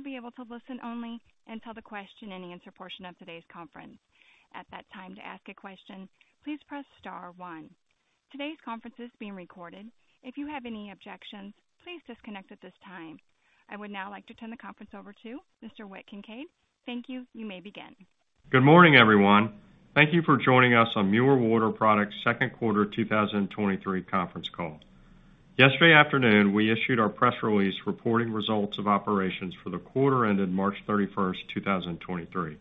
Will be able to listen only until the question and answer portion of today's conference. At that time, to ask a question, please press star one. Today's conference is being recorded. If you have any objections, please disconnect at this time. I would now like to turn the conference over to Mr. Whit Kincaid. Thank you. You may begin. Good morning, everyone. Thank you for joining us on Mueller Water Products second quarter 2023 conference call. Yesterday afternoon, we issued our press release reporting results of operations for the quarter ended March 31st, 2023.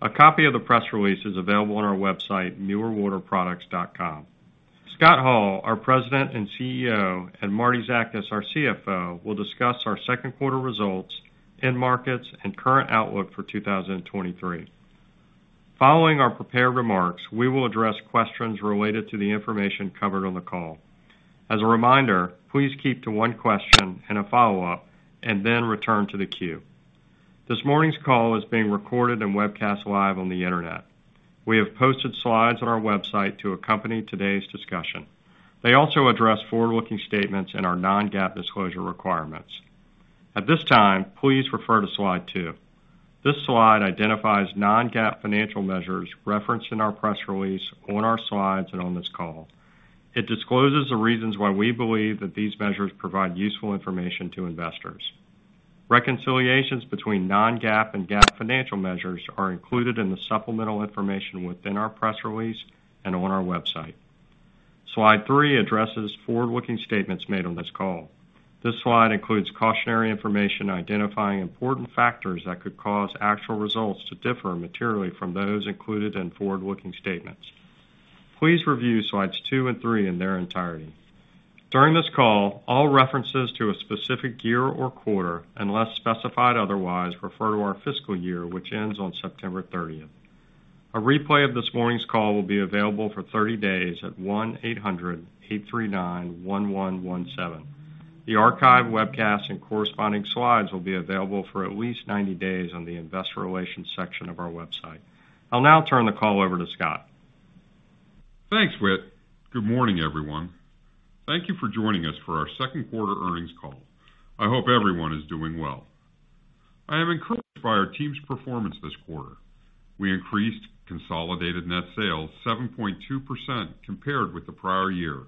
A copy of the press release is available on our website, muellerwaterproducts.com. Scott Hall, our President and CEO, and Martie Zakas, our CFO, will discuss our second quarter results in markets and current outlook for 2023. Following our prepared remarks, we will address questions related to the information covered on the call. As a reminder, please keep to one question and a follow-up and then return to the queue. This morning's call is being recorded and webcast live on the Internet. We have posted slides on our website to accompany today's discussion. They also address forward-looking statements in our non-GAAP disclosure requirements. At this time, please refer to slide two. This slide identifies non-GAAP financial measures referenced in our press release, on our slides, and on this call. It discloses the reasons why we believe that these measures provide useful information to investors. Reconciliations between non-GAAP and GAAP financial measures are included in the supplemental information within our press release and on our website. Slide three addresses forward-looking statements made on this call. This slide includes cautionary information identifying important factors that could cause actual results to differ materially from those included in forward-looking statements. Please review slides two and three in their entirety. During this call, all references to a specific year or quarter, unless specified otherwise, refer to our fiscal year, which ends on September thirtieth. A replay of this morning's call will be available for 30 days at 1-800-839-1117. The archive, webcast, and corresponding slides will be available for at least 90 days on the Investor Relations section of our website. I'll now turn the call over to Scott. Thanks, Whit. Good morning, everyone. Thank you for joining us for our second quarter earnings call. I hope everyone is doing well. I am encouraged by our team's performance this quarter. We increased consolidated net sales 7.2% compared with the prior year.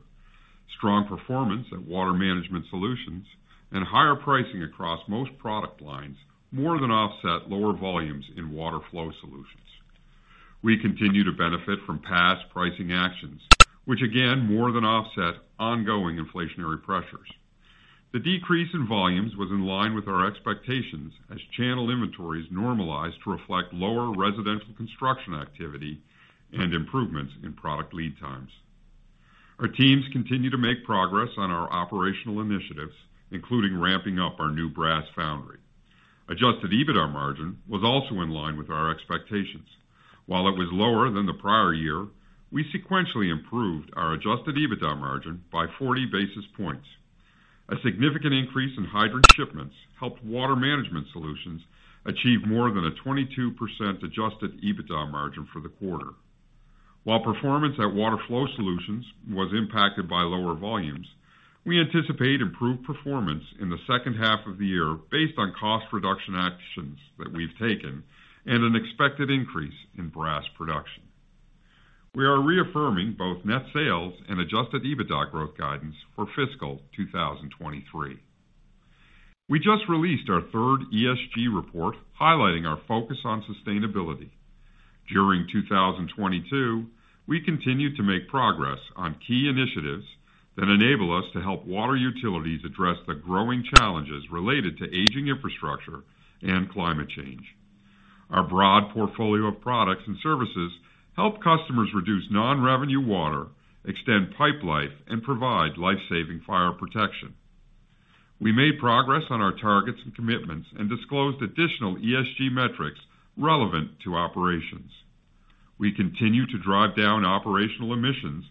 Strong performance at Water Management Solutions and higher pricing across most product lines more than offset lower volumes in Water Flow Solutions. We continue to benefit from past pricing actions, which again, more than offset ongoing inflationary pressures. The decrease in volumes was in line with our expectations as channel inventories normalized to reflect lower residential construction activity and improvements in product lead times. Our teams continue to make progress on our operational initiatives, including ramping up our new brass foundry. Adjusted EBITDA margin was also in line with our expectations. While it was lower than the prior year, we sequentially improved our Adjusted EBITDA margin by 40 basis points. A significant increase in hydrant shipments helped Water Management Solutions achieve more than a 22% Adjusted EBITDA margin for the quarter. While performance at Water Flow Solutions was impacted by lower volumes, we anticipate improved performance in the second half of the year based on cost reduction actions that we've taken and an expected increase in brass production. We are reaffirming both net sales and Adjusted EBITDA growth guidance for fiscal 2023. We just released our third ESG report highlighting our focus on sustainability. During 2022, we continued to make progress on key initiatives that enable us to help water utilities address the growing challenges related to aging infrastructure and climate change. Our broad portfolio of products and services help customers reduce non-revenue water, extend pipe life, and provide life-saving fire protection. We made progress on our targets and commitments and disclosed additional ESG metrics relevant to operations. We continue to drive down operational emissions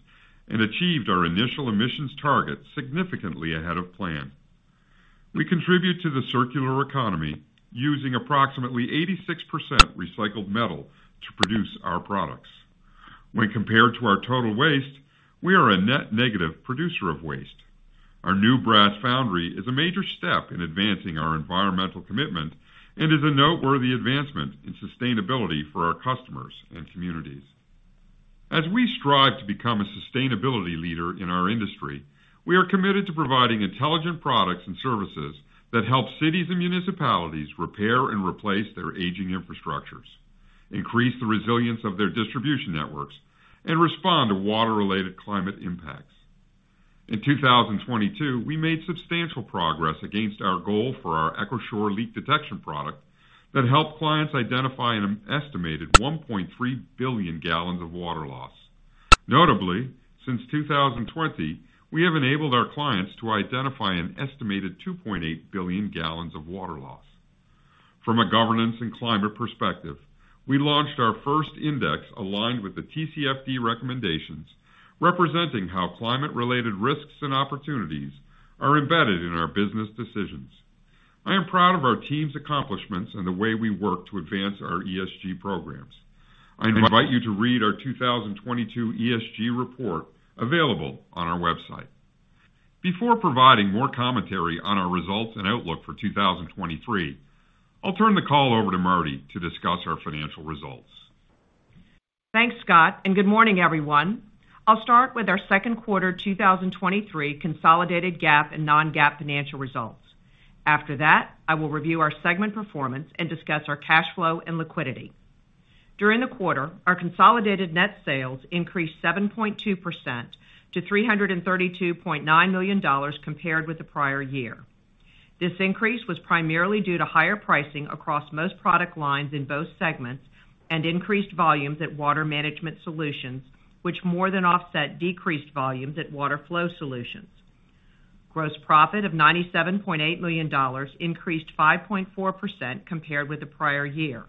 and achieved our initial emissions target significantly ahead of plan. We contribute to the circular economy using approximately 86% recycled metal to produce our products. When compared to our total waste, we are a net negative producer of waste. Our new brass foundry is a major step in advancing our environmental commitment and is a noteworthy advancement in sustainability for our customers and communities. As we strive to become a sustainability leader in our industry, we are committed to providing intelligent products and services that help cities and municipalities repair and replace their aging infrastructures, increase the resilience of their distribution networks, and respond to water-related climate impacts. In 2022, we made substantial progress against our goal for our EchoShore leak detection product that helped clients identify an estimated 1.3 billion gallons of water loss. Notably, since 2020, we have enabled our clients to identify an estimated 2.8 billion gallons of water loss. From a governance and climate perspective, we launched our first index aligned with the TCFD recommendations, representing how climate-related risks and opportunities are embedded in our business decisions. I am proud of our team's accomplishments and the way we work to advance our ESG programs. I invite you to read our 2022 ESG report available on our website. Before providing more commentary on our results and outlook for 2023, I'll turn the call over to Martie to discuss our financial results. Thanks, Scott. Good morning, everyone. I'll start with our second quarter 2023 consolidated GAAP and non-GAAP financial results. After that, I will review our segment performance and discuss our cash flow and liquidity. During the quarter, our consolidated net sales increased 7.2% to $332.9 million compared with the prior year. This increase was primarily due to higher pricing across most product lines in both segments and increased volumes at Water Management Solutions, which more than offset decreased volumes at Water Flow Solutions. Gross profit of $97.8 million increased 5.4% compared with the prior year.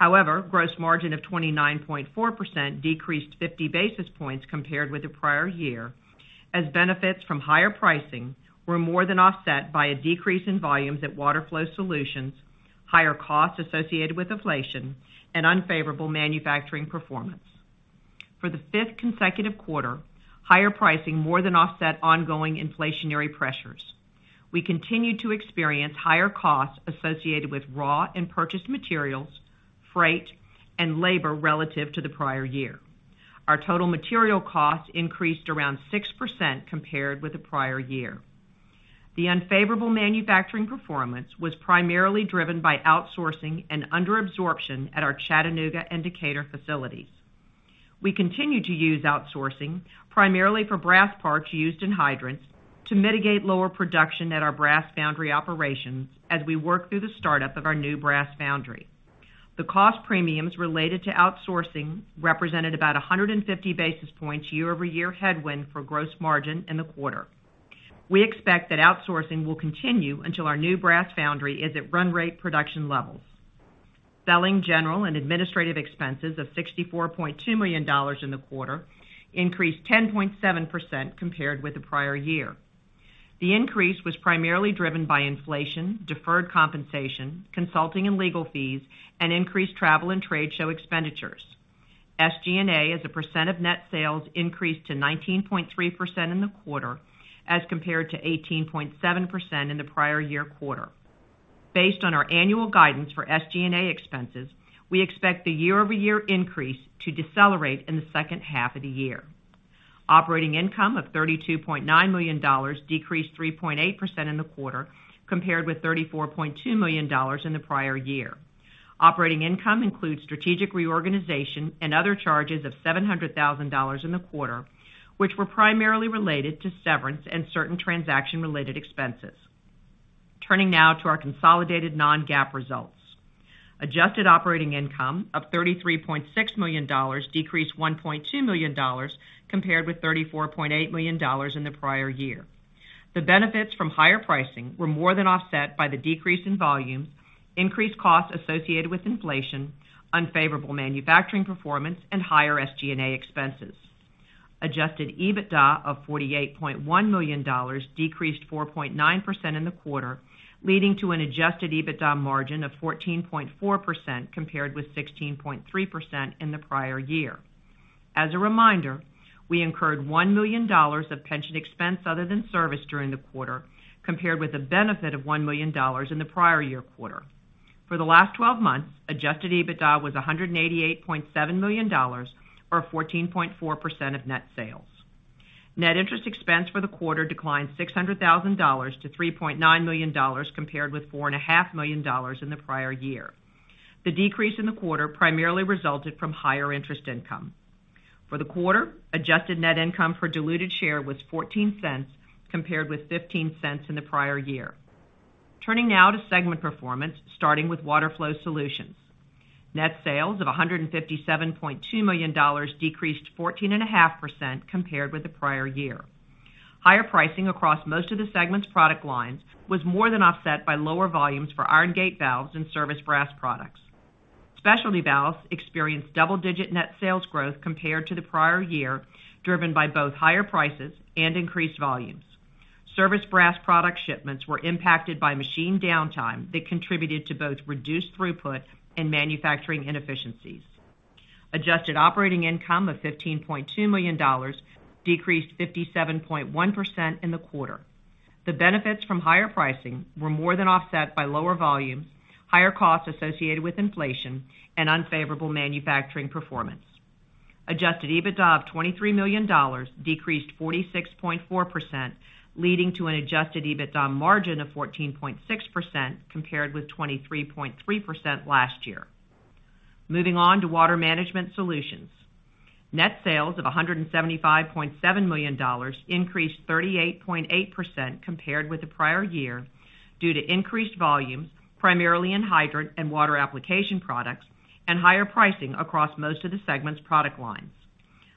However, gross margin of 29.4% decreased 50 basis points compared with the prior year as benefits from higher pricing were more than offset by a decrease in volumes at Water Flow Solutions, higher costs associated with inflation and unfavorable manufacturing performance. For the fifth consecutive quarter, higher pricing more than offset ongoing inflationary pressures. We continued to experience higher costs associated with raw and purchased materials, freight, and labor relative to the prior year. Our total material costs increased around 6% compared with the prior year. The unfavorable manufacturing performance was primarily driven by outsourcing and under-absorption at our Chattanooga and Decatur facilities. We continue to use outsourcing primarily for brass parts used in hydrants to mitigate lower production at our brass foundry operations as we work through the startup of our new brass foundry. The cost premiums related to outsourcing represented about 150 basis points year-over-year headwind for gross margin in the quarter. We expect that outsourcing will continue until our new brass foundry is at run rate production levels. Selling, general, and administrative expenses of $64.2 million in the quarter increased 10.7% compared with the prior year. The increase was primarily driven by inflation, deferred compensation, consulting and legal fees, and increased travel and trade show expenditures. SG&A, as a % of net sales, increased to 19.3% in the quarter as compared to 18.7% in the prior year quarter. Based on our annual guidance for SG&A expenses, we expect the year-over-year increase to decelerate in the second half of the year. Operating income of $32.9 million decreased 3.8% in the quarter compared with $34.2 million in the prior year. Operating income includes strategic reorganization and other charges of $700,000 in the quarter, which were primarily related to severance and certain transaction-related expenses. Turning now to our consolidated non-GAAP results. Adjusted operating income of $33.6 million decreased $1.2 million compared with $34.8 million in the prior year. The benefits from higher pricing were more than offset by the decrease in volumes, increased costs associated with inflation, unfavorable manufacturing performance, and higher SG&A expenses. Adjusted EBITDA of $48.1 million decreased 4.9% in the quarter, leading to an Adjusted EBITDA margin of 14.4% compared with 16.3% in the prior year. As a reminder, we incurred $1 million of pension expense other than service during the quarter, compared with a benefit of $1 million in the prior year quarter. For the last 12 months, Adjusted EBITDA was $188.7 million, or 14.4% of net sales. Net interest expense for the quarter declined $600,000-$3.9 million, compared with $4.5 million dollars in the prior year. The decrease in the quarter primarily resulted from higher interest income. For the quarter, adjusted net income per diluted share was $0.14 compared with $0.15 in the prior year. Turning now to segment performance, starting with Water Flow Solutions. Net sales of $157.2 million decreased 14.5% compared with the prior year. Higher pricing across most of the segment's product lines was more than offset by lower volumes for iron gate valves and service brass products. Specialty valves experienced double-digit net sales growth compared to the prior year, driven by both higher prices and increased volumes. Service brass product shipments were impacted by machine downtime that contributed to both reduced throughput and manufacturing inefficiencies. Adjusted operating income of $15.2 million decreased 57.1% in the quarter. The benefits from higher pricing were more than offset by lower volumes, higher costs associated with inflation and unfavorable manufacturing performance. Adjusted EBITDA of $23 million decreased 46.4%, leading to an Adjusted EBITDA margin of 14.6% compared with 23.3% last year. Moving on to Water Management Solutions. Net sales of $175.7 million increased 38.8% compared with the prior year due to increased volumes, primarily in hydrant and water application products, and higher pricing across most of the segment's product lines.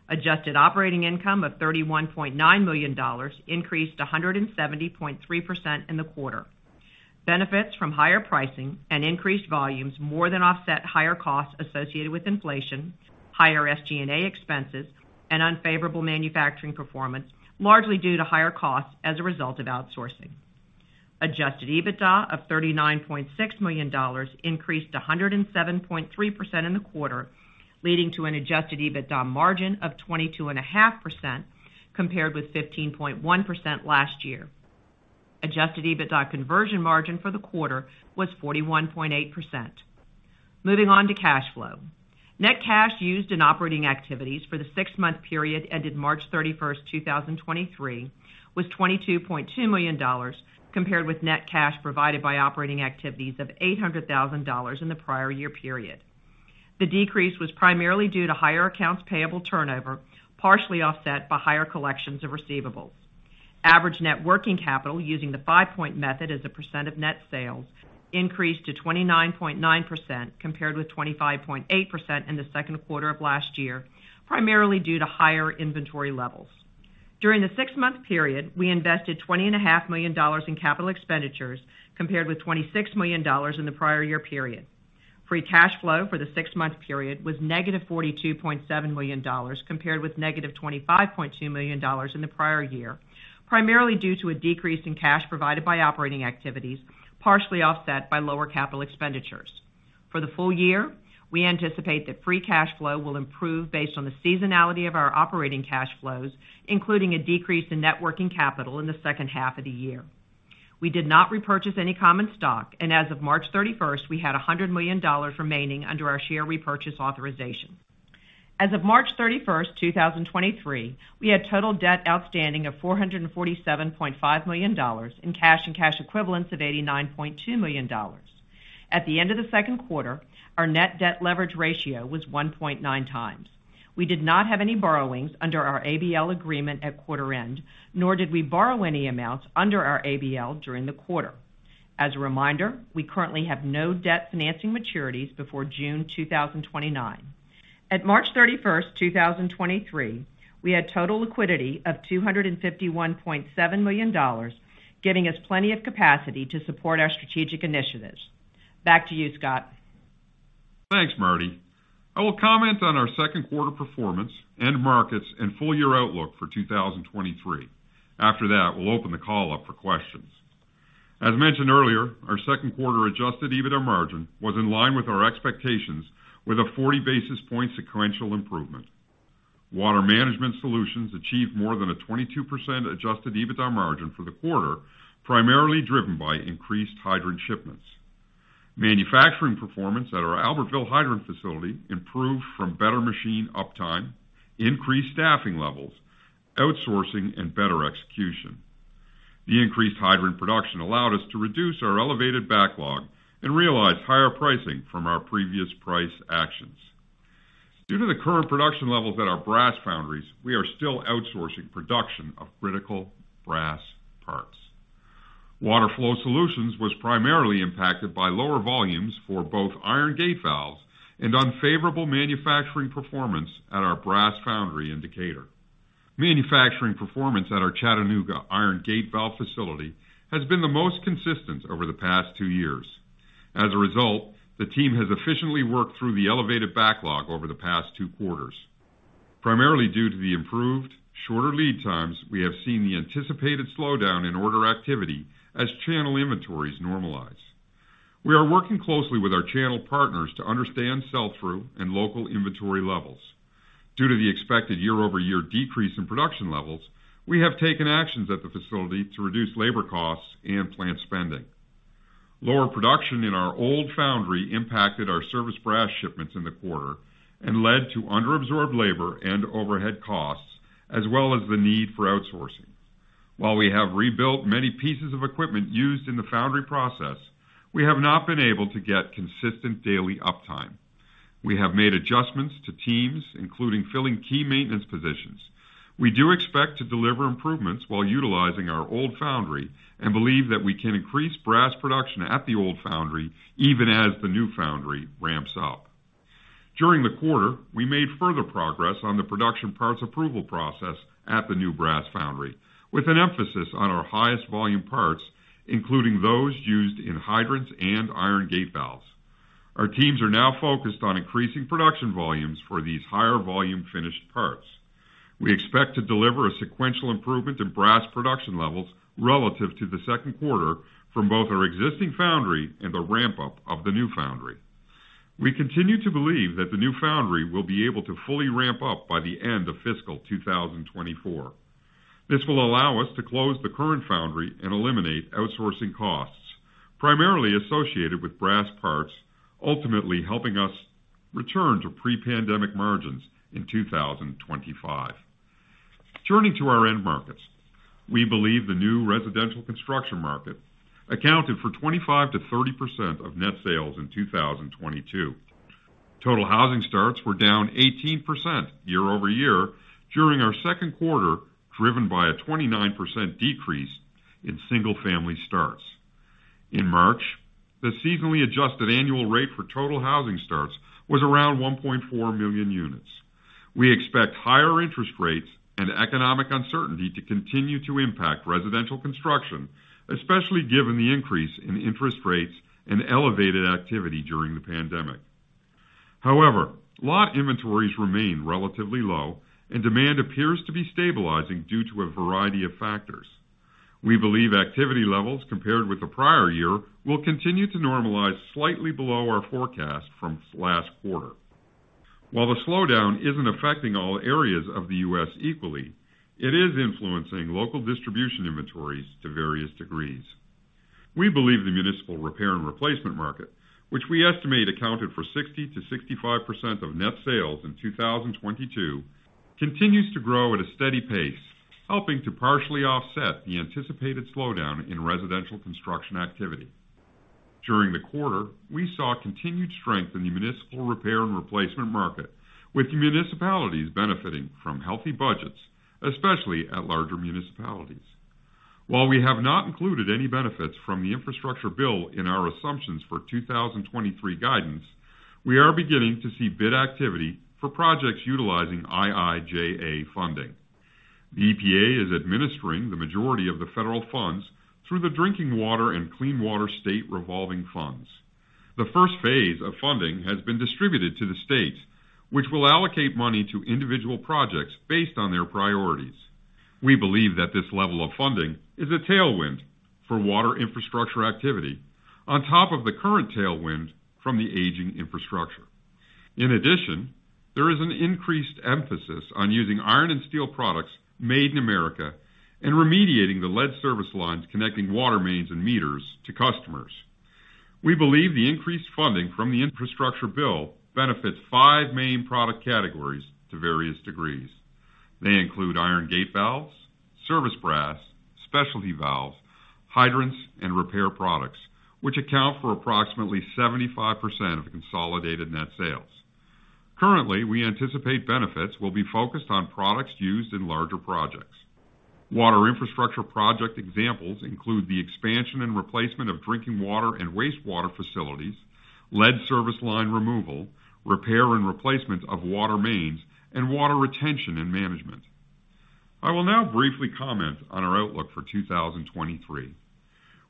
Adjusted operating income of $31.9 million increased 170.3% in the quarter. Benefits from higher pricing and increased volumes more than offset higher costs associated with inflation, higher SG&A expenses, and unfavorable manufacturing performance, largely due to higher costs as a result of outsourcing. Adjusted EBITDA of $39.6 million increased 107.3% in the quarter, leading to an Adjusted EBITDA margin of 22.5% compared with 15.1% last year. Adjusted EBITDA conversion margin for the quarter was 41.8%. Moving on to cash flow. Net cash used in operating activities for the six-month period ended March 31st, 2023, was $22.2 million compared with net cash provided by operating activities of $800,000 in the prior year period. The decrease was primarily due to higher accounts payable turnover, partially offset by higher collections of receivables. Average net working capital using the five-point method as a percent of net sales increased to 29.9% compared with 25.8% in the second quarter of last year, primarily due to higher inventory levels. During the six-month period, we invested $20 and a half million in capital expenditures compared with $26 million in the prior year period. Free cash flow for the six-month period was -$42.7 million compared with -$25.2 million in the prior year, primarily due to a decrease in cash provided by operating activities, partially offset by lower capital expenditures. For the full year, we anticipate that free cash flow will improve based on the seasonality of our operating cash flows, including a decrease in net working capital in the second half of the year. We did not repurchase any common stock, and as of March 31st, we had $100 million remaining under our share repurchase authorization. As of March 31, 2023, we had total debt outstanding of $447.5 million in cash and cash equivalents of $89.2 million. At the end of the second quarter, our net debt leverage ratio was 1.9x. We did not have any borrowings under our ABL agreement at quarter end, nor did we borrow any amounts under our ABL during the quarter. As a reminder, we currently have no debt financing maturities before June 2029. At March 31st, 2023, we had total liquidity of $251.7 million, giving us plenty of capacity to support our strategic initiatives. Back to you, Scott. Thanks, Martie. I will comment on our second quarter performance, end markets and full year outlook for 2023. After that, we'll open the call up for questions. As mentioned earlier, our second quarter Adjusted EBITDA margin was in line with our expectations with a 40 basis point sequential improvement. Water Management Solutions achieved more than a 22% Adjusted EBITDA margin for the quarter, primarily driven by increased hydrant shipments. Manufacturing performance at our Albertville hydrant facility improved from better machine uptime, increased staffing levels, outsourcing, and better execution. The increased hydrant production allowed us to reduce our elevated backlog and realize higher pricing from our previous price actions. Due to the current production levels at our brass foundries, we are still outsourcing production of critical brass parts. Water Flow Solutions was primarily impacted by lower volumes for both iron gate valves and unfavorable manufacturing performance at our brass foundry in Decatur. Manufacturing performance at our Chattanooga iron gate valve facility has been the most consistent over the past two years. As a result, the team has efficiently worked through the elevated backlog over the past two quarters. Primarily due to the improved shorter lead times, we have seen the anticipated slowdown in order activity as channel inventories normalize. We are working closely with our channel partners to understand sell-through and local inventory levels. Due to the expected year-over-year decrease in production levels, we have taken actions at the facility to reduce labor costs and plant spending. Lower production in our old foundry impacted our service brass shipments in the quarter and led to under-absorbed labor and overhead costs, as well as the need for outsourcing. While we have rebuilt many pieces of equipment used in the foundry process, we have not been able to get consistent daily uptime. We have made adjustments to teams, including filling key maintenance positions. We do expect to deliver improvements while utilizing our old foundry and believe that we can increase brass production at the old foundry even as the new foundry ramps up. During the quarter, we made further progress on the Production Part Approval Process at the new brass foundry, with an emphasis on our highest volume parts, including those used in hydrants and iron gate valves. Our teams are now focused on increasing production volumes for these higher volume finished parts. We expect to deliver a sequential improvement in brass production levels relative to the second quarter from both our existing foundry and the ramp-up of the new foundry. We continue to believe that the new foundry will be able to fully ramp up by the end of fiscal 2024. This will allow us to close the current foundry and eliminate outsourcing costs, primarily associated with brass parts, ultimately helping us return to pre-pandemic margins in 2025. Turning to our end markets. We believe the new residential construction market accounted for 25%-30% of net sales in 2022. Total housing starts were down 18% year-over-year during our second quarter, driven by a 29% decrease in single-family starts. In March, the seasonally adjusted annual rate for total housing starts was around 1.4 million units. We expect higher interest rates and economic uncertainty to continue to impact residential construction, especially given the increase in interest rates and elevated activity during the pandemic. Lot inventories remain relatively low and demand appears to be stabilizing due to a variety of factors. We believe activity levels compared with the prior year will continue to normalize slightly below our forecast from last quarter. While the slowdown isn't affecting all areas of the U.S. equally, it is influencing local distribution inventories to various degrees. We believe the municipal repair and replacement market, which we estimate accounted for 60%-65% of net sales in 2022, continues to grow at a steady pace, helping to partially offset the anticipated slowdown in residential construction activity. During the quarter, we saw continued strength in the municipal repair and replacement market, with municipalities benefiting from healthy budgets, especially at larger municipalities. While we have not included any benefits from the infrastructure bill in our assumptions for 2023 guidance, we are beginning to see bid activity for projects utilizing IIJA funding. The EPA is administering the majority of the federal funds through the Drinking Water and Clean Water State Revolving Funds. The first phase of funding has been distributed to the states, which will allocate money to individual projects based on their priorities. We believe that this level of funding is a tailwind for water infrastructure activity on top of the current tailwind from the aging infrastructure. In addition, there is an increased emphasis on using iron and steel products made in America and remediating the lead service lines connecting water mains and meters to customers. We believe the increased funding from the infrastructure bill benefits five main product categories to various degrees. They include iron gate valves, service brass, specialty valves, hydrants and repair products, which account for approximately 75% of the consolidated net sales. Currently, we anticipate benefits will be focused on products used in larger projects. Water infrastructure project examples include the expansion and replacement of drinking water and wastewater facilities, lead service line removal, repair and replacement of water mains, and water retention and management. I will now briefly comment on our outlook for 2023.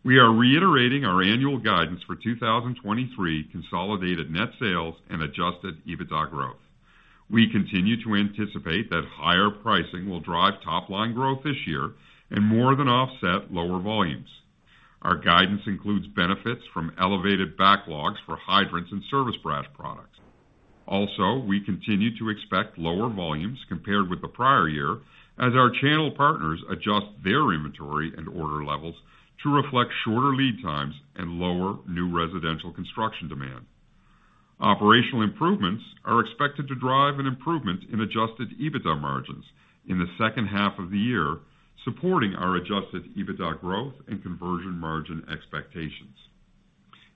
We are reiterating our annual guidance for 2023 consolidated net sales and Adjusted EBITDA growth. We continue to anticipate that higher pricing will drive top line growth this year and more than offset lower volumes. Our guidance includes benefits from elevated backlogs for hydrants and service brass products. We continue to expect lower volumes compared with the prior year as our channel partners adjust their inventory and order levels to reflect shorter lead times and lower new residential construction demand. Operational improvements are expected to drive an improvement in Adjusted EBITDA margins in the second half of the year, supporting our Adjusted EBITDA growth and conversion margin expectations.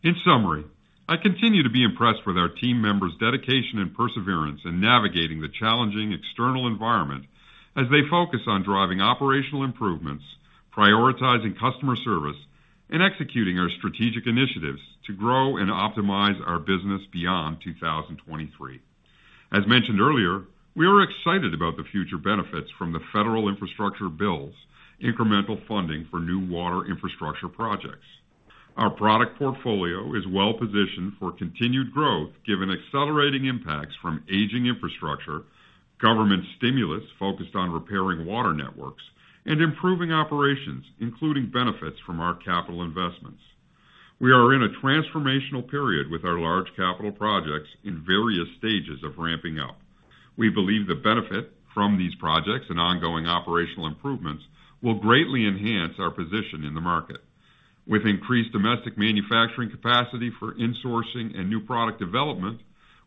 In summary, I continue to be impressed with our team members' dedication and perseverance in navigating the challenging external environment as they focus on driving operational improvements, prioritizing customer service, and executing our strategic initiatives to grow and optimize our business beyond 2023. As mentioned earlier, we are excited about the future benefits from the federal infrastructure bill's incremental funding for new water infrastructure projects. Our product portfolio is well-positioned for continued growth, given accelerating impacts from aging infrastructure, government stimulus focused on repairing water networks and improving operations, including benefits from our capital investments. We are in a transformational period with our large capital projects in various stages of ramping up. We believe the benefit from these projects and ongoing operational improvements will greatly enhance our position in the market. With increased domestic manufacturing capacity for insourcing and new product development,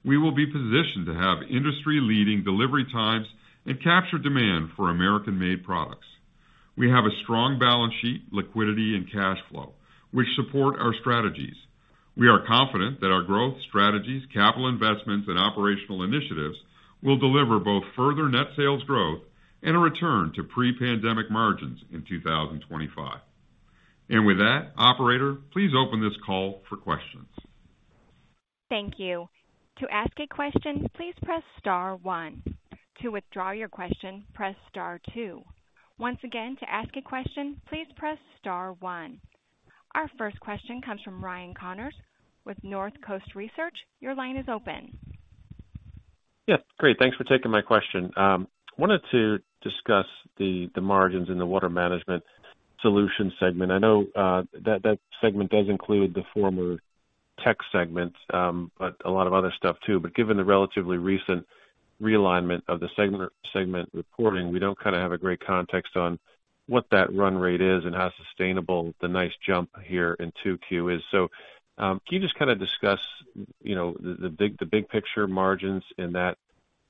we will be positioned to have industry-leading delivery times and capture demand for American-made products. We have a strong balance sheet, liquidity and cash flow, which support our strategies. We are confident that our growth strategies, capital investments and operational initiatives will deliver both further net sales growth and a return to pre-pandemic margins in 2025. With that, operator, please open this call for questions. Thank you. To ask a question, please press star one. To withdraw your question, press star two. Once again, to ask a question, please press star one. Our first question comes from Ryan Connors with Northcoast Research. Your line is open. Yeah. Great, thanks for taking my question. Wanted to discuss the margins in the Water Management Solutions segment. I know that segment does include the former tech segment, but a lot of other stuff too. Given the relatively recent realignment of the segment reporting, we don't kind of have a great context on what that run rate is and how sustainable the nice jump here in 2Q is. Can you just kind of discuss, you know, the big picture margins in that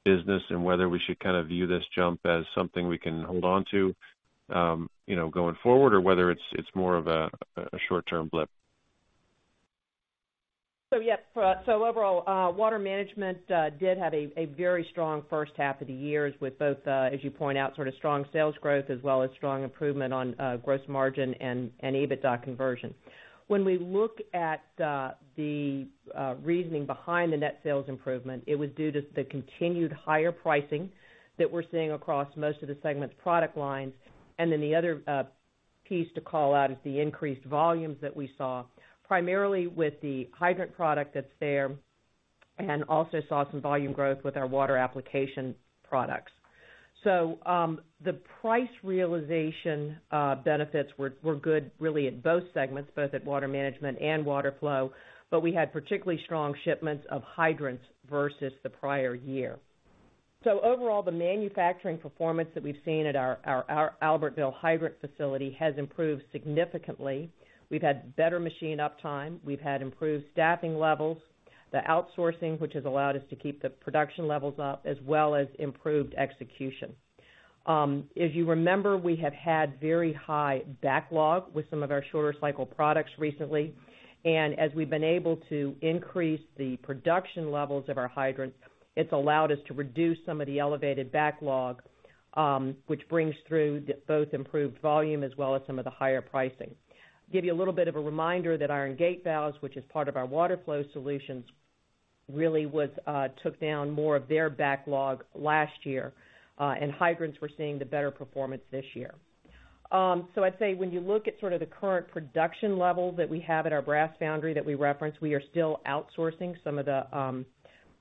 business and whether we should kind of view this jump as something we can hold on to, you know, going forward, or whether it's more of a short-term blip? Yeah. Overall, Water Management did have a very strong first half of the years with both, as you point out, sort of strong sales growth as well as strong improvement on gross margin and EBITDA conversion. When we look at the reasoning behind the net sales improvement, it was due to the continued higher pricing that we're seeing across most of the segment's product lines. The other piece to call out is the increased volumes that we saw, primarily with the hydrant product that's there, and also saw some volume growth with our water application products. The price realization benefits were good really in both segments, both at Water Management and Water Flow, but we had particularly strong shipments of hydrants versus the prior year. Overall, the manufacturing performance that we've seen at our Albertville hydrant facility has improved significantly. We've had better machine uptime, we've had improved staffing levels, the outsourcing, which has allowed us to keep the production levels up, as well as improved execution. If you remember, we have had very high backlog with some of our shorter cycle products recently, and as we've been able to increase the production levels of our hydrants, it's allowed us to reduce some of the elevated backlog, which brings through both improved volume as well as some of the higher pricing. Give you a little bit of a reminder that iron gate valves, which is part of our Water Flow Solutions, really took down more of their backlog last year, and hydrants were seeing the better performance this year. I'd say when you look at sort of the current production level that we have at our brass foundry that we referenced, we are still outsourcing some of the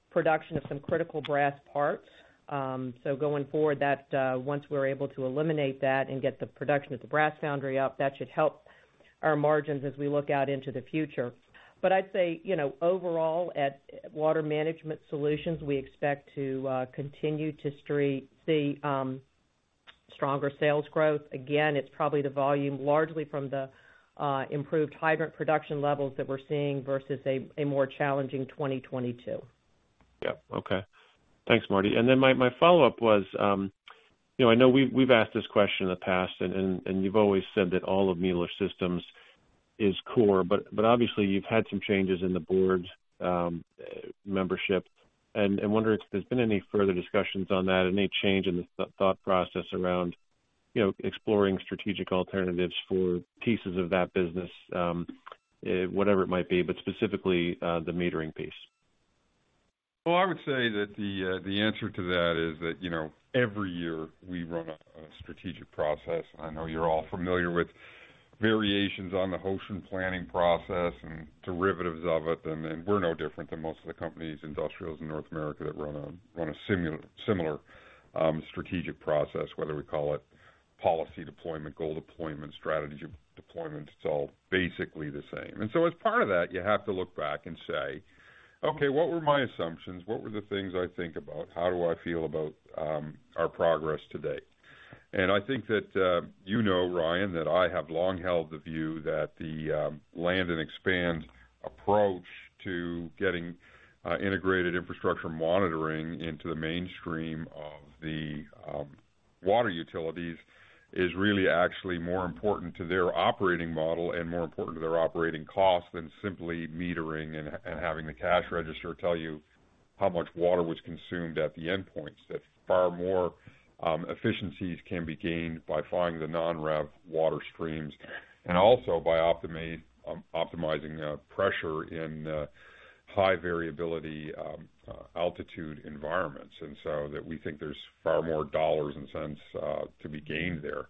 production of some critical brass parts. Going forward, that, once we're able to eliminate that and get the production at the brass foundry up, that should help our margins as we look out into the future. I'd say, you know, overall, at Water Management Solutions, we expect to see stronger sales growth. Again, it's probably the volume largely from the improved hydrant production levels that we're seeing versus a more challenging 2022. Yeah. Okay. Thanks, Martie. Then my follow-up was, you know, I know we've asked this question in the past and you've always said that all of Mueller Systems is core, but obviously you've had some changes in the board's membership. Wondering if there's been any further discussions on that, any change in the thought process around, you know, exploring strategic alternatives for pieces of that business, whatever it might be, but specifically the metering piece. Well, I would say that the answer to that is that, you know, every year we run a strategic process. I know you're all familiar with variations on the Hoshin planning process and derivatives of it, and we're no different than most of the companies, industrials in North America that run a similar strategic process, whether we call it policy deployment, goal deployment, strategy deployment, it's all basically the same. As part of that, you have to look back and say, "Okay, what were my assumptions? What were the things I think about? How do I feel about our progress to date? I think that, you know, Ryan, that I have long held the view that the land and expand approach to getting integrated infrastructure monitoring into the mainstream of the water utilities is really actually more important to their operating model and more important to their operating costs than simply metering and having the cash register tell you how much water was consumed at the endpoints. Far more efficiencies can be gained by finding the non-rev water streams and also by optimizing pressure in high variability altitude environments. We think there's far more dollars and cents to be gained there.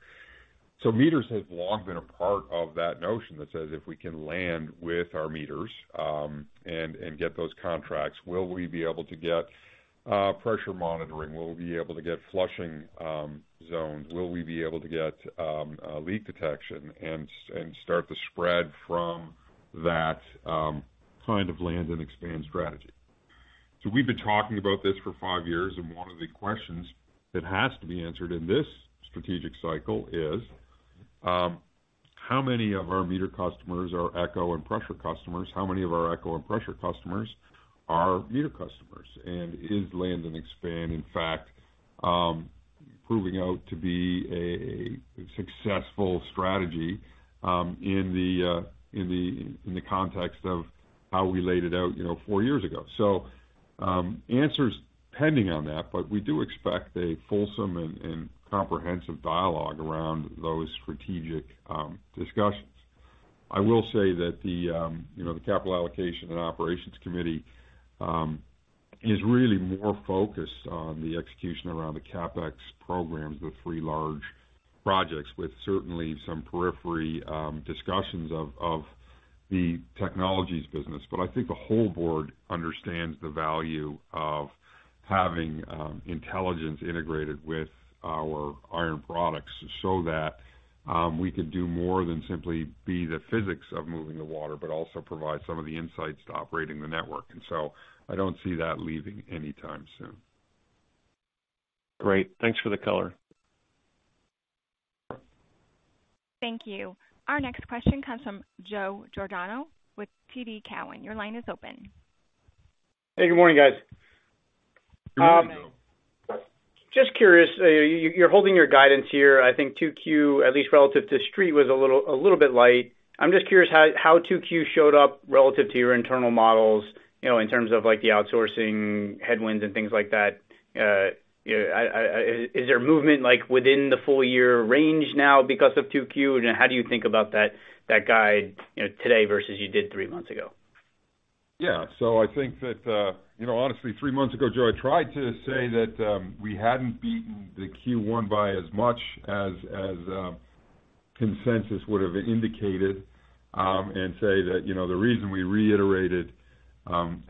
Meters have long been a part of that notion that says, "If we can land with our meters, and get those contracts, will we be able to get pressure monitoring? Will we be able to get flushing zones? Will we be able to get leak detection and start the spread from that kind of land and expand strategy?" We've been talking about this for five years, and one of the questions that has to be answered in this strategic cycle is, how many of our meter customers are Echo and Pressure customers? How many of our Echo and Pressure customers are meter customers? Is land and expand, in fact, proving out to be a successful strategy in the context of how we laid it out, you know, four years ago? Answer's pending on that, but we do expect a fulsome and comprehensive dialogue around those strategic discussions. I will say that the, you know, the Capital Allocation and Operations Committee is really more focused on the execution around the CapEx programs, the three large projects, with certainly some periphery discussions of the technologies business. I think the whole board understands the value of having intelligence integrated with our iron products so that we could do more than simply be the physics of moving the water, but also provide some of the insights to operating the network. I don't see that leaving anytime soon. Great. Thanks for the color. Thank you. Our next question comes from Joe Giordano with TD Cowen. Your line is open. Hey, good morning, guys. Good morning. Just curious, you're holding your guidance here. I think 2Q, at least relative to Street, was a little bit light. I'm just curious how 2Q showed up relative to your internal models, you know, in terms of like the outsourcing headwinds and things like that. You know, is there movement like within the full year range now because of 2Q? How do you think about that guide, you know, today versus you did three months ago? Yeah. I think that, you know, honestly, three months ago, Joe, I tried to say that we hadn't beaten the Q1 by as much as consensus would have indicated, and say that, you know, the reason we reiterated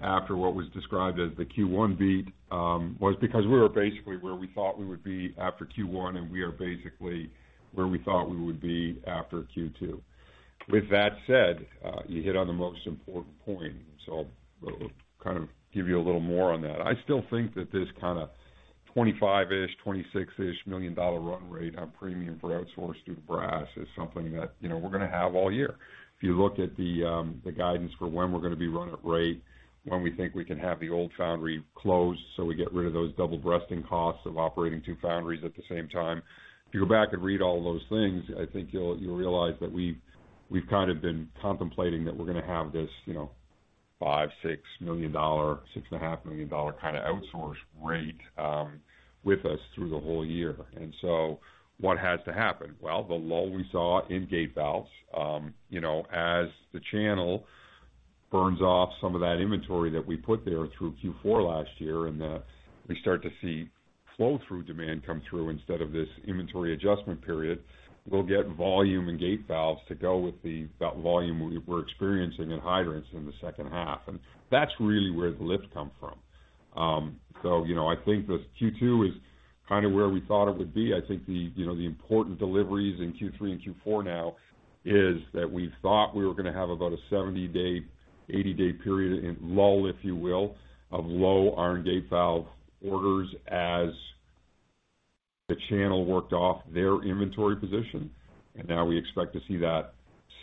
after what was described as the Q1 beat, was because we were basically where we thought we would be after Q1, and we are basically where we thought we would be after Q2. With that said, you hit on the most important point, so I'll kind of give you a little more on that. I still think that this kinda $25-ish, $26-ish million-dollar run rate on premium for outsource through brass is something that, you know, we're gonna have all year. If you look at the guidance for when we're gonna be run at rate, when we think we can have the old foundry closed, so we get rid of those double-breasting costs of operating two foundries at the same time. If you go back and read all those things, I think you'll realize that we've kind of been contemplating that we're gonna have this, you know, $5 million-$6 million, $6.5 million kinda outsource rate with us through the whole year. What has to happen? Well, the lull we saw in gate valves, you know, as the channel burns off some of that inventory that we put there through Q4 last year, and we start to see flow-through demand come through instead of this inventory adjustment period. We'll get volume and gate valves to go with that volume we're experiencing in hydrants in the second half. That's really where the lift come from. You know, I think that Q2 is kind of where we thought it would be. I think the, you know, the important deliveries in Q3 and Q4 now is that we thought we were gonna have about a 70-day, 80-day period in lull, if you will, of low iron gate valve orders as the channel worked off their inventory position. Now we expect to see that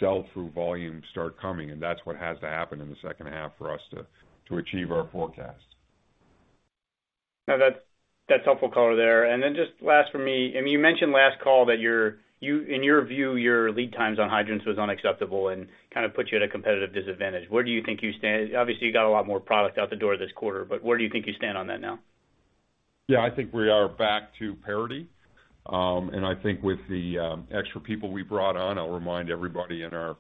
sell-through volume start coming, and that's what has to happen in the second half for us to achieve our forecast. Now that's helpful color there. Just last for me, I mean, you mentioned last call that your in your view, your lead times on hydrants was unacceptable and kinda put you at a competitive disadvantage. Where do you think you stand? Obviously, you got a lot more product out the door this quarter, but where do you think you stand on that now? Yeah. I think we are back to parity. I think with the extra people we brought on, I'll remind everybody in our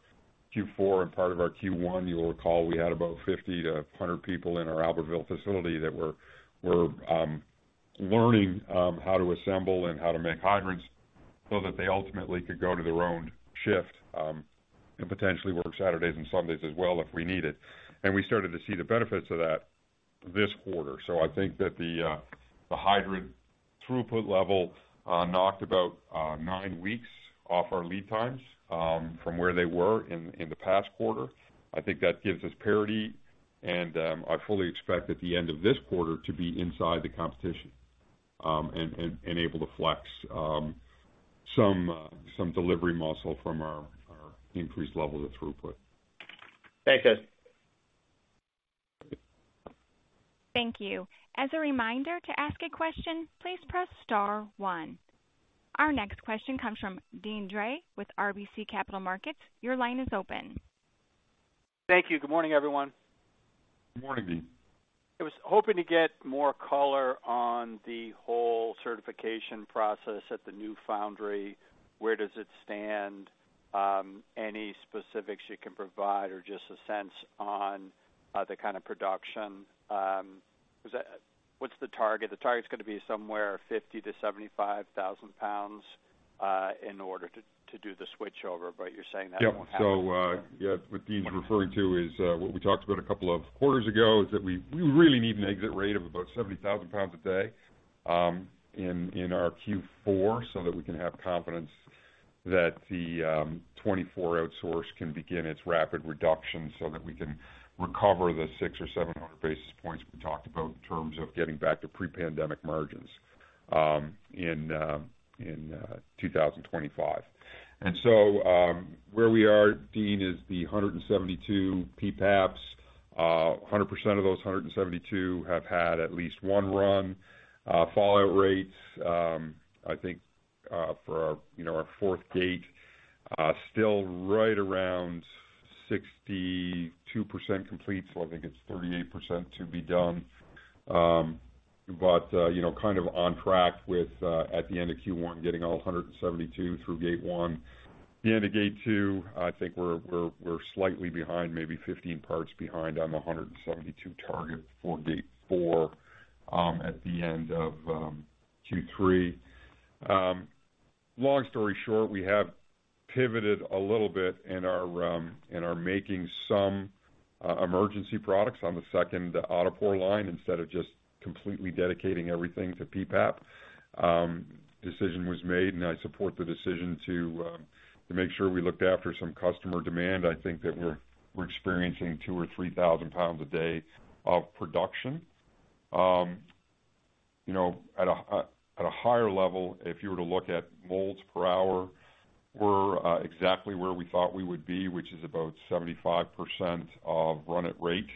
Q4 and part of our Q1, you'll recall we had about 50-100 people in our Albertville facility that were learning how to assemble and how to make hydrants so that they ultimately could go to their own shift and potentially work Saturdays and Sundays as well if we need it. We started to see the benefits of that this quarter. I think that the hydrant throughput level knocked about nine weeks off our lead times from where they were in the past quarter. I think that gives us parity, and I fully expect at the end of this quarter to be inside the competition and able to flex some delivery muscle from our increased levels of throughput. Thanks, guys. Thank you. As a reminder, to ask a question, please press star one. Our next question comes from Deane Dray with RBC Capital Markets. Your line is open. Thank you. Good morning, everyone. Good morning, Deane. I was hoping to get more color on the whole certification process at the new foundry. Where does it stand? Any specifics you can provide or just a sense on the kind of production? What's the target? The target's going to be somewhere 50,000-75,000 pounds, in order to do the switchover. You're saying that won't happen. Yeah. Yeah. What Deane's referring to is what we talked about a couple of quarters ago, is that we really need an exit rate of about 70,000 pounds a day in our Q4 so that we can have confidence that the 2024 outsource can begin its rapid reduction so that we can recover the 600 or 700 basis points we talked about in terms of getting back to pre-pandemic margins in 2025. Where we are, Deane, is the 172 PPAPs. 100% of those 172 have had at least one run, fallout rates. I think, for our, you know, our fourth gate, still right around 62% complete, so I think it's 38% to be done. You know, kind of on track with at the end of Q1, getting all 172 through gate one. The end of gate two, I think we're slightly behind, maybe 15 parts behind on the 172 target for gate four at the end of Q3. Long story short, we have pivoted a little bit and are making some emergency products on the second autopour line instead of just completely dedicating everything to PPAP. Decision was made, and I support the decision to make sure we looked after some customer demand. I think that we're experiencing 2,000 or 3,000 pounds a day of production. you know, at a, at a, at a higher level, if you were to look at molds per hour, we're exactly where we thought we would be, which is about 75% of run at rate.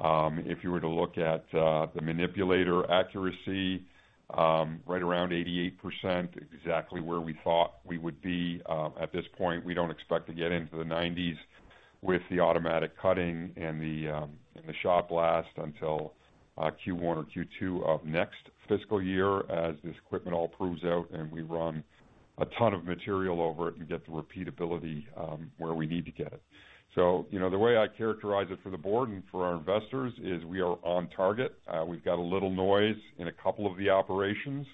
If you were to look at the manipulator accuracy, right around 88%, exactly where we thought we would be. At this point, we don't expect to get into the 90s with the automatic cutting and the and the shop last until Q1 or Q2 of next fiscal year as this equipment all proves out and we run a ton of material over it and get the repeatability where we need to get it. you know, the way I characterize it for the board and for our investors is we are on target. We've got a little noise in a couple of the operations.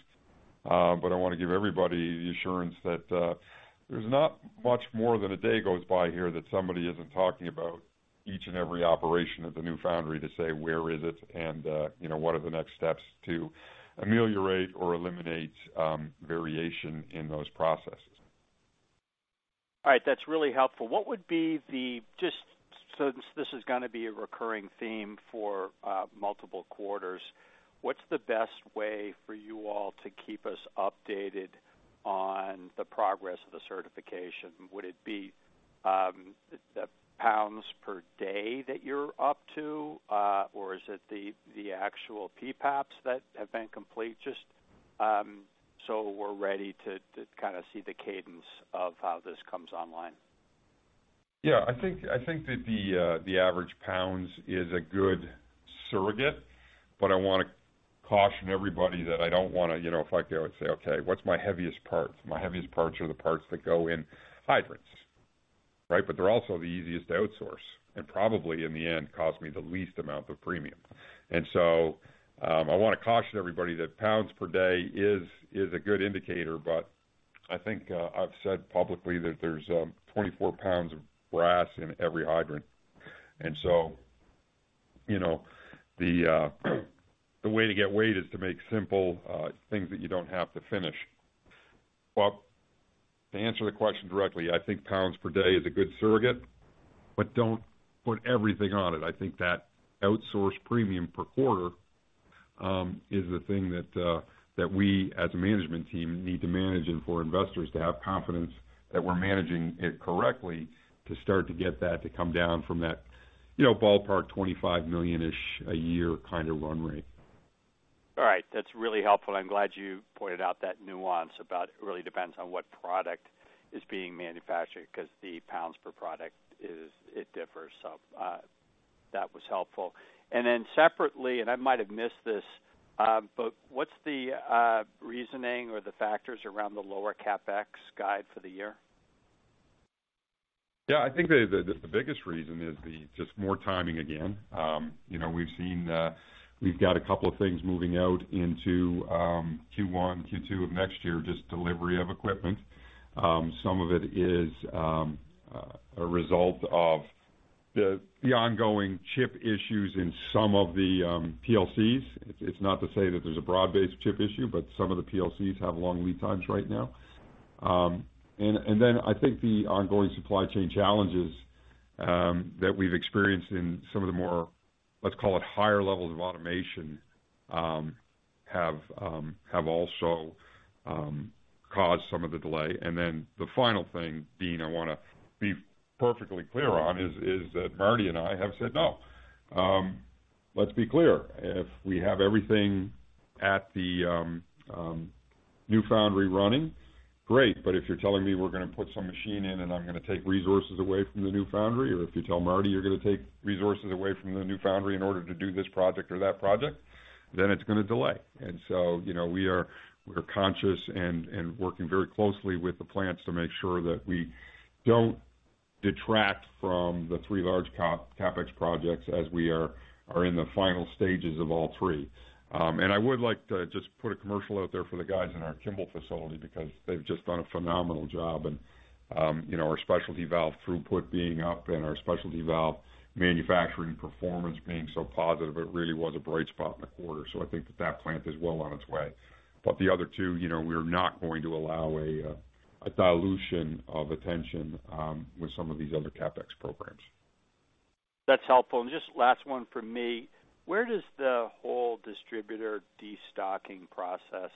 I wanna give everybody the assurance that there's not much more than a day goes by here that somebody isn't talking about each and every operation of the new foundry to say where is it and, you know, what are the next steps to ameliorate or eliminate variation in those processes. All right, that's really helpful. What would be the, just so this is gonna be a recurring theme for multiple quarters, what's the best way for you all to keep us updated on the progress of the certification? Would it be the pounds per day that you're up to, or is it the actual PPAPs that have been complete? Just so we're ready to kinda see the cadence of how this comes online. Yeah. I think that the average pounds is a good surrogate, I wanna caution everybody that I don't wanna, you know, if I go and say, "Okay, what's my heaviest parts?" My heaviest parts are the parts that go in hydrants, right? They're also the easiest to outsource, and probably in the end, cost me the least amount of premium. I wanna caution everybody that pounds per day is a good indicator, I think, I've said publicly that there's 24 pounds of brass in every hydrant. You know, the way to get weight is to make simple things that you don't have to finish. To answer the question directly, I think pounds per day is a good surrogate, but don't put everything on it. I think that outsource premium per quarter is the thing that we, as a management team, need to manage, and for investors to have confidence that we're managing it correctly to start to get that to come down from that, you know, ballpark $25 million-ish a year kind of run rate. That's really helpful. I'm glad you pointed out that nuance about it really depends on what product is being manufactured 'cause the pounds per product is it differs. That was helpful. Separately, I might have missed this, what's the reasoning or the factors around the lower CapEx guide for the year? Yeah. I think the biggest reason is just more timing again. You know, we've seen, we've got a couple of things moving out into Q1, Q2 of next year, just delivery of equipment. Some of it is a result of the ongoing chip issues in some of the PLCs. It's not to say that there's a broad-based chip issue, but some of the PLCs have long lead times right now. Then I think the ongoing supply chain challenges that we've experienced in some of the more, let's call it higher levels of automation, have also caused some of the delay. Then the final thing, Deane, I wanna be perfectly clear on is that Martie and I have said, no. Let's be clear. If we have everything at the new foundry running, great. If you're telling me we're gonna put some machine in and I'm gonna take resources away from the new foundry, or if you tell Martie you're gonna take resources away from the new foundry in order to do this project or that project, then it's gonna delay. You know, we are conscious and working very closely with the plants to make sure that we don't detract from the three large CapEx projects as we are in the final stages of all three. I would like to just put a commercial out there for the guys in our Kimball facility because they've just done a phenomenal job. you know, our specialty valve throughput being up and our specialty valve manufacturing performance being so positive, it really was a bright spot in the quarter. I think that that plant is well on its way. The other two, you know, we're not going to allow a dilution of attention with some of these other CapEx programs. That's helpful. Just last one from me. Where does the whole distributor destocking process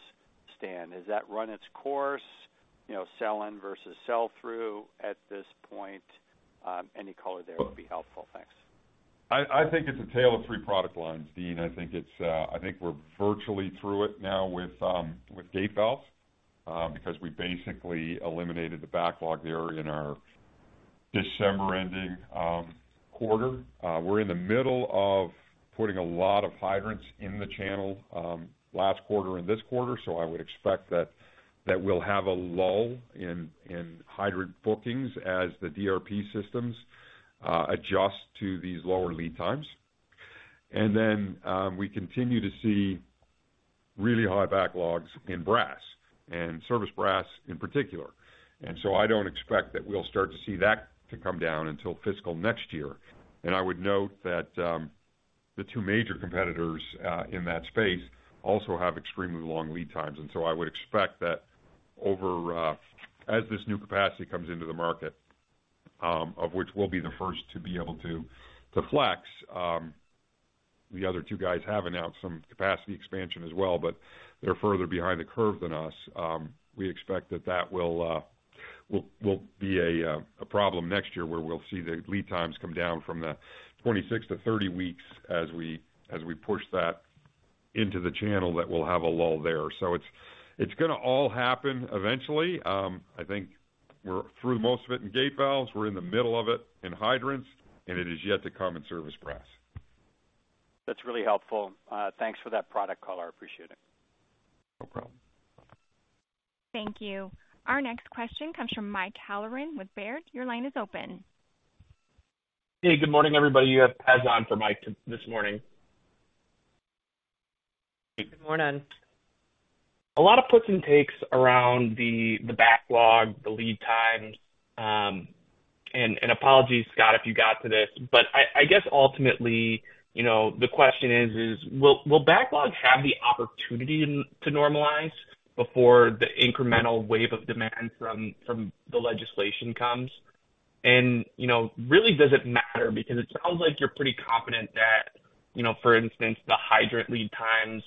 stand? Has that run its course, you know, sell in versus sell through at this point? Any color there would be helpful. Thanks. I think it's a tale of three product lines, Deane Dray. I think we're virtually through it now with gate valves, because we basically eliminated the backlog there in our December-ending quarter. We're in the middle of putting a lot of hydrants in the channel last quarter and this quarter, I would expect that we'll have a lull in hydrant bookings as the DRP systems adjust to these lower lead times. We continue to see really high backlogs in brass, and service brass in particular. I don't expect that we'll start to see that to come down until fiscal next year. I would note that the two major competitors in that space also have extremely long lead times. I would expect that over as this new capacity comes into the market, of which we'll be the first to be able to flex. The other two guys have announced some capacity expansion as well, but they're further behind the curve than us. We expect that that will be a problem next year, where we'll see the lead times come down from the 26-30 weeks as we push that into the channel that will have a lull there. It's gonna all happen eventually. I think we're through most of it in gate valves. We're in the middle of it in hydrants, and it is yet to come in service press. That's really helpful. Thanks for that product call. I appreciate it. No problem. Thank you. Our next question comes from Mike Halloran with Baird. Your line is open. Hey, good morning, everybody. You have Peisch on for Mike this morning. Good morning. A lot of puts and takes around the backlog, the lead times. Apologies, Scott, if you got to this, but I guess ultimately, you know, the question is will backlog have the opportunity to normalize before the incremental wave of demand from the legislation comes? Really does it matter because it sounds like you're pretty confident that, you know, for instance, the hydrant lead times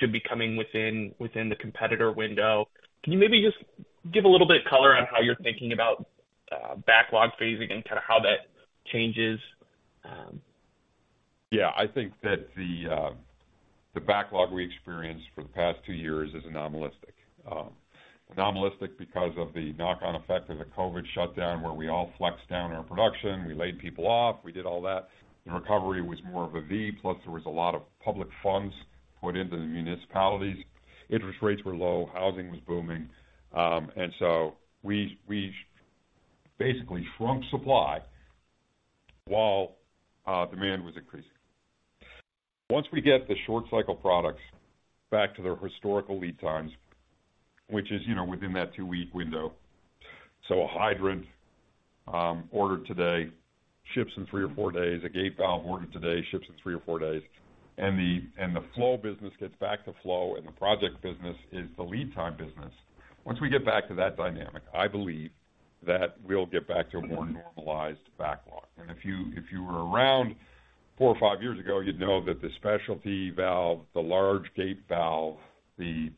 should be coming within the competitor window. Can you maybe just give a little bit color on how you're thinking about backlog phasing and kinda how that changes? Yeah. I think that the backlog we experienced for the past two years is anomalistic. Anomalistic because of the knock-on effect of the COVID shutdown, where we all flexed down our production, we laid people off, we did all that. The recovery was more of a V, plus there was a lot of public funds put into the municipalities. Interest rates were low, housing was booming. So we basically shrunk supply while demand was increasing. Once we get the short cycle products back to their historical lead times, which is, you know, within that two-week window, so a hydrant ordered today ships in three or four days, a gate valve ordered today ships in three or four days. The flow business gets back to flow, and the project business is the lead time business. Once we get back to that dynamic, I believe that we'll get back to a more normalized backlog. If you were around four or five years ago, you'd know that the specialty valve, the large gate valve, the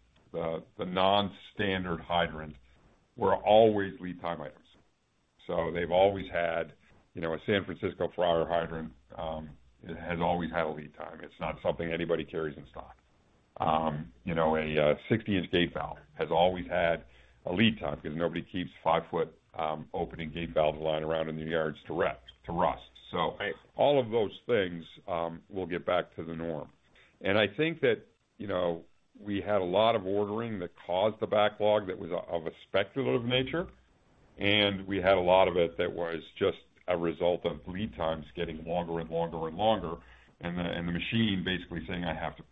non-standard hydrants were always lead time items. They've always had, you know, a San Francisco Prier hydrant has always had a lead time. It's not something anybody carries in stock. You know, a 60-inch gate valve has always had a lead time because nobody keeps five-foot opening gate valve line around in the yards to rust. All of those things will get back to the norm. I think that, you know, we had a lot of ordering that caused the backlog that was of a speculative nature, and we had a lot of it that was just a result of lead times getting longer and longer and longer, and the machine basically saying, "I have to,"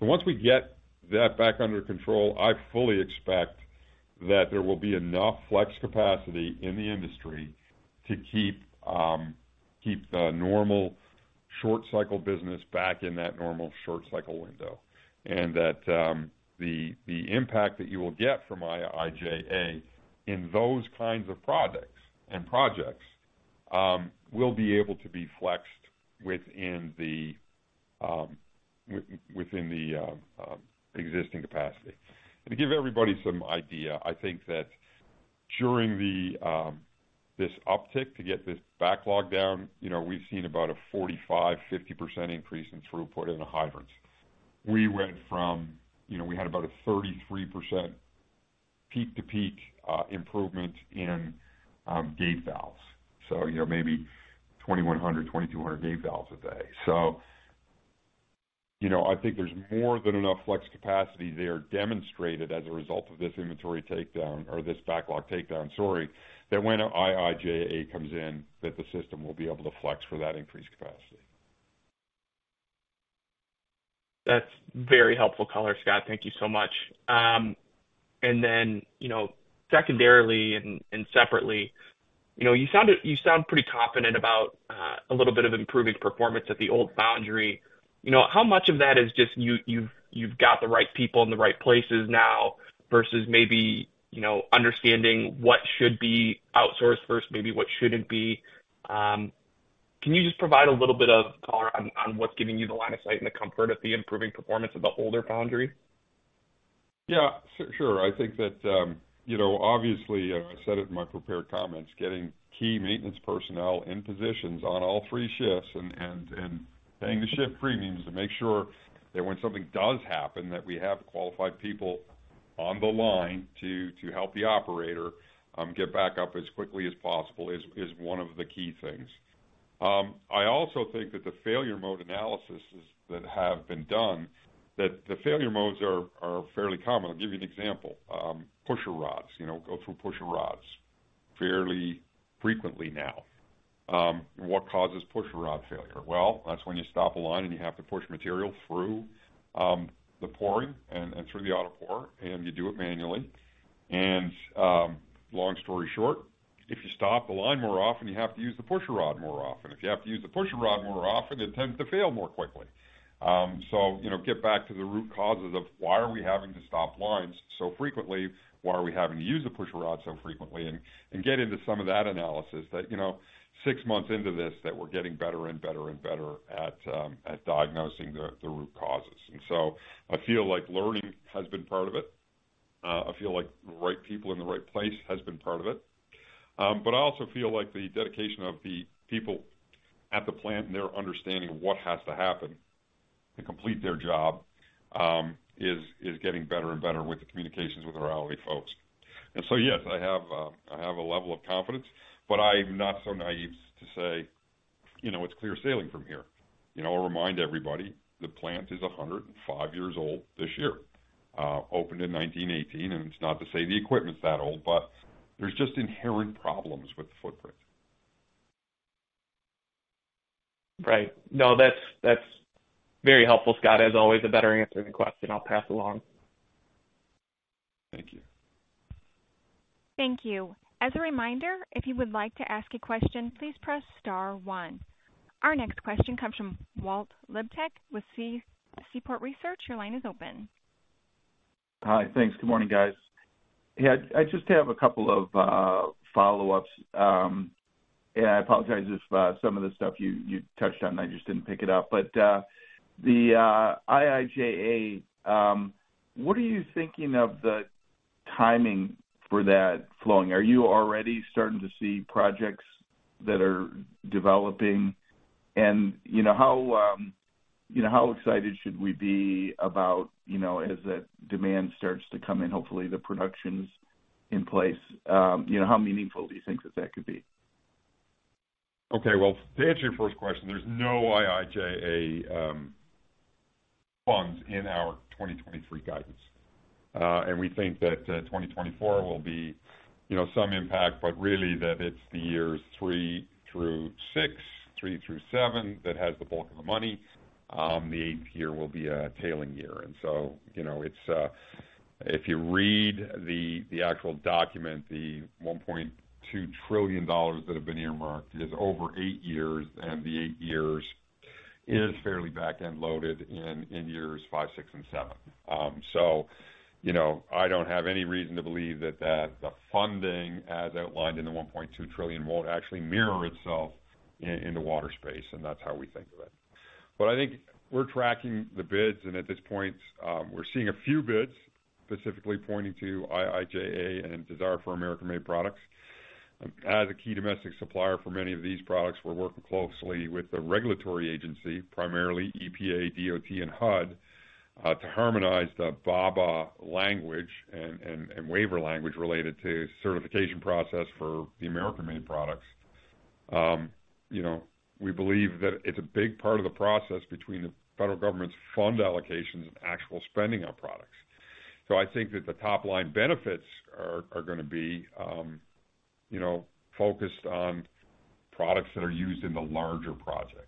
Once we get that back under control, I fully expect that there will be enough flex capacity in the industry to keep the normal short cycle business back in that normal short cycle window, and that the impact that you will get from IIJA in those kinds of products and projects will be able to be flexed within the existing capacity. To give everybody some idea, I think that during this uptick to get this backlog down, you know, we've seen about a 45%-50% increase in throughput in the hydrants. We went from, you know, we had about a 33% peak-to-peak improvement in gate valves, so, you know, maybe 2,100-2,200 gate valves a day. You know, I think there's more than enough flex capacity there demonstrated as a result of this inventory takedown or this backlog takedown, sorry, that when IIJA comes in, the system will be able to flex for that increased capacity. That's very helpful color, Scott. Thank you so much. You know, secondarily and separately, you know, you sound pretty confident about a little bit of improving performance at the old foundry. You know, how much of that is just you've, you've got the right people in the right places now versus maybe, you know, understanding what should be outsourced first, maybe what shouldn't be? Can you just provide a little bit of color on what's giving you the line of sight and the comfort of the improving performance of the older foundry? Yeah, sure. I think that, you know, obviously, I said it in my prepared comments, getting key maintenance personnel in positions on all three shifts and paying the shift premiums to make sure that when something does happen, that we have qualified people on the line to help the operator get back up as quickly as possible is one of the key things. I also think that the failure mode analyses that have been done, that the failure modes are fairly common. I'll give you an example. Pusher rods. You know, go through pusher rods fairly frequently now. What causes pusher rod failure? Well, that's when you stop a line, and you have to push material through the pouring and through the autopour, and you do it manually. Long story short, if you stop the line more often, you have to use the pusher rod more often. If you have to use the pusher rod more often, it tends to fail more quickly. You know, get back to the root causes of why are we having to stop lines so frequently? Why are we having to use the pusher rod so frequently? Get into some of that analysis that, you know, six months into this, that we're getting better and better and better at diagnosing the root causes. I feel like learning has been part of it. I feel like the right people in the right place has been part of it. I also feel like the dedication of the people at the plant and their understanding of what has to happen to complete their job is getting better and better with the communications with our i2O folks. Yes, I have a level of confidence, but I'm not so naive to say, you know, it's clear sailing from here. You know, I'll remind everybody the plant is 105 years old this year, opened in 1918. It's not to say the equipment's that old, but there's just inherent problems with the footprint. Right. No, that's very helpful, Scott. As always a better answer than question I'll pass along. Thank you. Thank you. As a reminder, if you would like to ask a question, please press star one. Our next question comes from Walt Liptak with Seaport Research Partners. Your line is open. Hi. Thanks. Good morning, guys. Yeah, I just have a couple of follow-ups. I apologize if some of the stuff you touched on, I just didn't pick it up. The IIJA, what are you thinking of the timing for that flowing? Are you already starting to see projects that are developing? You know, how, you know, how excited should we be about, you know, as that demand starts to come in, hopefully the production's in place, you know, how meaningful do you think that that could be? Okay, well, to answer your first question, there's no IIJA funds in our 2023 guidance. We think that 2024 will be, you know, some impact, but really that it's the years three through six, three through seven that has the bulk of the money. The eigth year will be a tailing year. You know, it's if you read the actual document, the $1.2 trillion that have been earmarked is over eight years, and the eight years is fairly back-end loaded in years five, six and seven. You know, I don't have any reason to believe that the funding as outlined in the $1.2 trillion won't actually mirror itself in the water space, and that's how we think of it. I think we're tracking the bids, and at this point, we're seeing a few bids specifically pointing to IIJA and desire for American-made products. As a key domestic supplier for many of these products, we're working closely with the regulatory agency, primarily EPA, DOT, and HUD, to harmonize the BABA language and waiver language related to certification process for the American-made products. You know, we believe that it's a big part of the process between the federal government's fund allocations and actual spending on products. I think that the top-line benefits are gonna be, you know, focused on products that are used in the larger projects.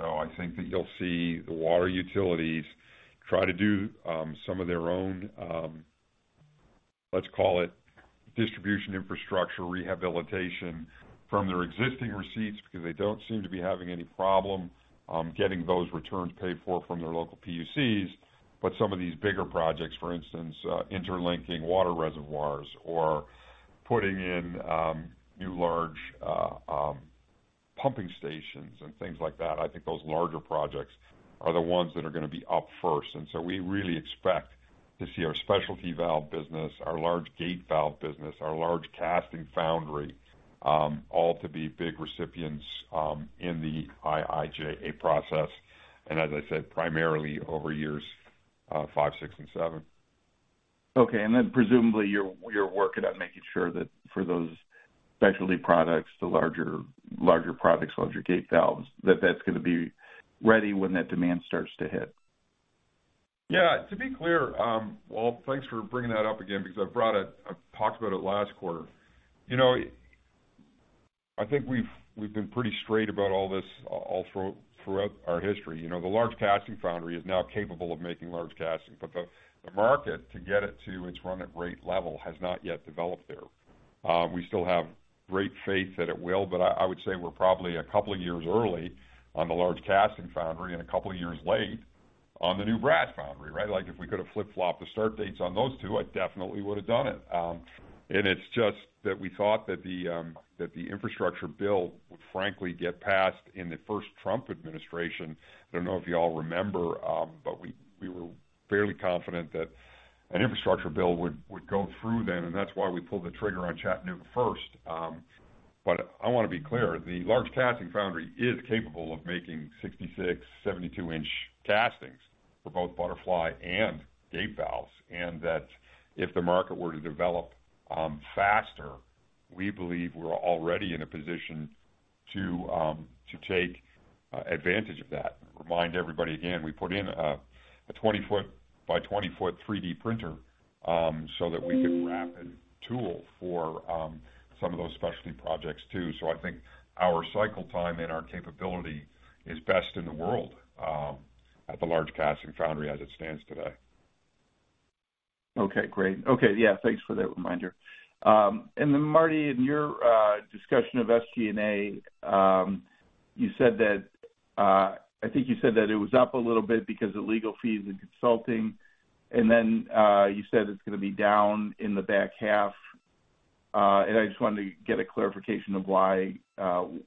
I think that you'll see the water utilities try to do some of their own, let's call it distribution infrastructure rehabilitation from their existing receipts because they don't seem to be having any problem getting those returns paid for from their local PUCs. Some of these bigger projects, for instance, interlinking water reservoirs or putting in new large pumping stations and things like that, I think those larger projects are the ones that are gonna be up first. We really expect to see our specialty valve business, our large gate valve business, our large casting foundry, all to be big recipients in the IIJA process, and as I said, primarily over years five, six and seven. Okay. Then presumably you're working on making sure that for those specialty products, the larger products, larger gate valves, that that's gonna be ready when that demand starts to hit. Yeah. To be clear, Walt, thanks for bringing that up again because I've talked about it last quarter. You know, I think we've been pretty straight about all this all throughout our history. You know, the large casting foundry is now capable of making large castings, but the market to get it to its run at rate level has not yet developed there. We still have great faith that it will, but I would say we're probably a couple of years early on the large casting foundry and a couple of years late on the new brass foundry, right? Like, if we could have flip-flopped the start dates on those two, I definitely would've done it. It's just that we thought that the infrastructure bill would frankly get passed in the first Trump administration. I don't know if you all remember, we were fairly confident that an infrastructure bill would go through then, and that's why we pulled the trigger on Chattanooga first. I wanna be clear, the large casting foundry is capable of making 66, 72 inch castings for both butterfly and gate valves, and that if the market were to develop faster, we believe we're already in a position to take advantage of that. Remind everybody again, we put in a 20 foot by 20 foot 3D printer so that we could rapid tool for some of those specialty projects too. I think our cycle time and our capability is best in the world at the large casting foundry as it stands today. Okay, great. Okay. Yeah, thanks for that reminder. Then Martie, in your discussion of SG&A, you said that I think you said that it was up a little bit because of legal fees and consulting, and then you said it's gonna be down in the back half. I just wanted to get a clarification of why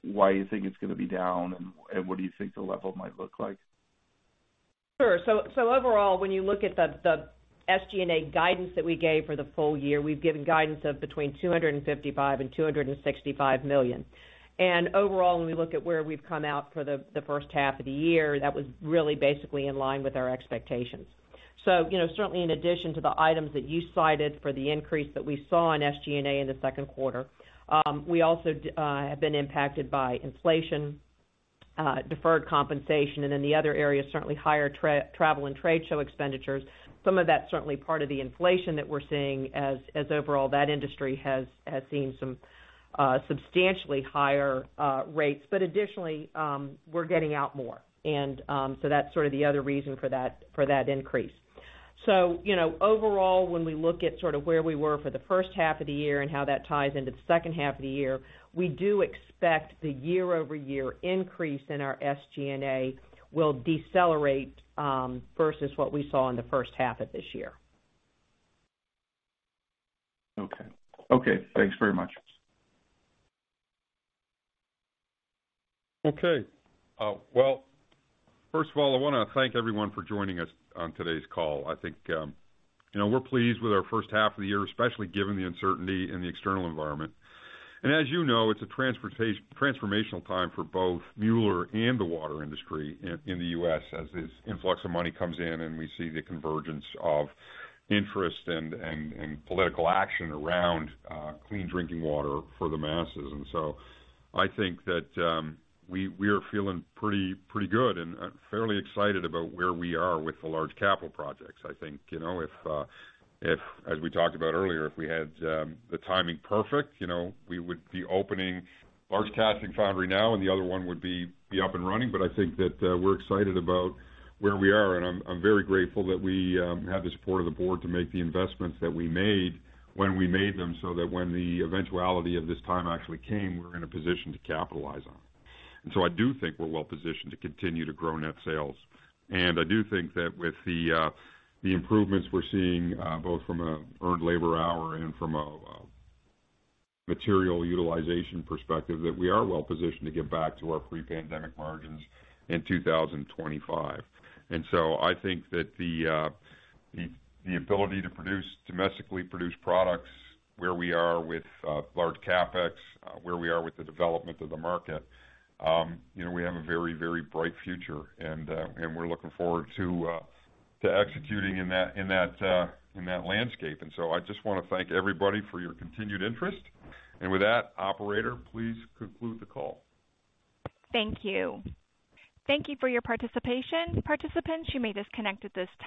you think it's gonna be down and what do you think the level might look like? Sure. Overall, when you look at the SG&A guidance that we gave for the full year, we've given guidance of between $255 million and $265 million. Overall, when we look at where we've come out for the first half of the year, that was really basically in line with our expectations. You know, certainly in addition to the items that you cited for the increase that we saw in SG&A in the second quarter, we also have been impacted by inflation, deferred compensation and then the other areas, certainly higher travel and trade show expenditures. Some of that's certainly part of the inflation that we're seeing as overall that industry has seen some substantially higher rates. Additionally, we're getting out more, and, so that's sort of the other reason for that, for that increase. You know, overall, when we look at sort of where we were for the first half of the year and how that ties into the second half of the year, we do expect the year-over-year increase in our SG&A will decelerate, versus what we saw in the first half of this year. Okay. Thanks very much. Well, first of all, I wanna thank everyone for joining us on today's call. I think, you know, we're pleased with our first half of the year, especially given the uncertainty in the external environment. As you know, it's a transformational time for both Mueller and the water industry in the U.S., as this influx of money comes in and we see the convergence of interest and political action around clean drinking water for the masses. I think that we are feeling pretty good and fairly excited about where we are with the large capital projects. I think, you know, if as we talked about earlier, if we had the timing perfect, you know, we would be opening large casting foundry now and the other one would be up and running. But I think that we're excited about where we are, and I'm very grateful that we have the support of the board to make the investments that we made when we made them, so that when the eventuality of this time actually came, we're in a position to capitalize on. I do think we're well positioned to continue to grow net sales. I do think that with the improvements we're seeing, both from a earned labor hour and from a material utilization perspective, that we are well positioned to get back to our pre-pandemic margins in 2025. I think that the ability to produce domestically produced products, where we are with large CapEx, where we are with the development of the market, you know, we have a very, very bright future and we're looking forward to executing in that landscape. I just wanna thank everybody for your continued interest. With that, operator, please conclude the call. Thank you. Thank you for your participation. Participants, you may disconnect at this time.